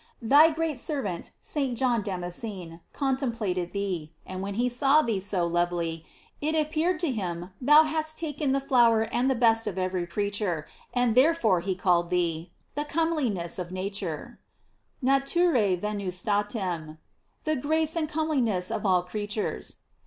Thy great servant, St. John Damascene, con templated thee; and when he saw thee so lovely, 786 GLORIES OF MARY. it appeared to him thou hadst taken the flower and the best of every creature, and therefore he called thee: The comeliness of nature: "Naturse Yenustatem;" the grace and comeliness of all creatures.